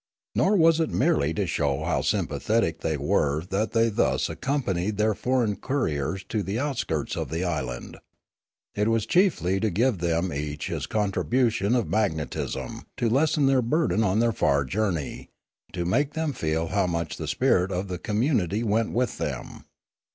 Nor was it merely to show how sympa thetic they were that they thus accompanied their for eign couriers to the outskirts of the island. It was chiefly to give them each his contribution of magnet ism, to lessen their burden on their far journey, to make them feel how much the spirit of the community went with them.